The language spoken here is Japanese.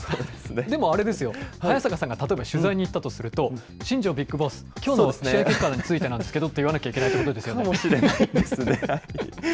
でもあれですよ、早坂さんが例えば、取材に行ったとすると、新庄ビッグボス、きょうの試合結果についてなんですけどって言わなきゃいけないとかもしれないですね。